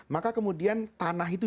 maka kemudian tanah itu